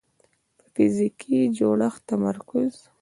په فزیکي جوړښت تمرکز